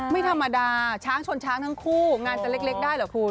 ไม่ธรรมดาช้างชนช้างทั้งคู่งานจะเล็กได้เหรอคุณ